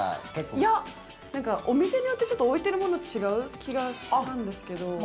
いや、お店によって置いてるものが違う気がしたんですけど。